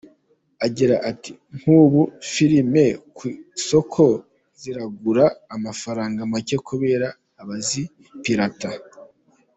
Agira ati “Nk’ubu firime ku isoko ziragura amafaranga make kubera ‘abazipirata’.